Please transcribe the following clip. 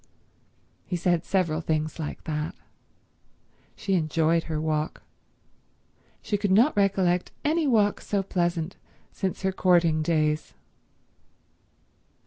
He said several things like that. She enjoyed her walk. She could not recollect any walk so pleasant since her courting days.